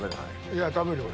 いや食べるよ俺。